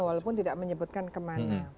walaupun tidak menyebutkan kemana